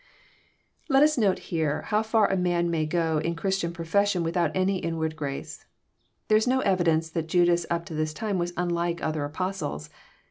Let us note here how far a man may go in Christian profes sion without any inward grace. There is no evidence that Judas up to this time was unlike other Apostles.